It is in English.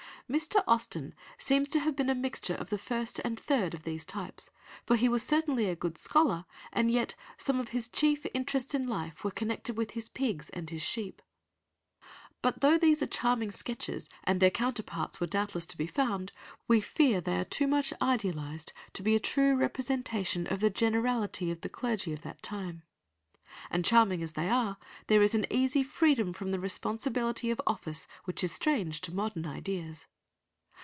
Mr. Austen seems to have been a mixture of the first and third of these types, for he was certainly a good scholar, and yet some of his chief interests in life were connected with his pigs and his sheep. But though these are charming sketches, and their counterparts were doubtless to be found, we fear they are too much idealised to be a true representation of the generality of the clergy of that time; and, charming as they are, there is an easy freedom from the responsibility of office which is strange to modern ideas.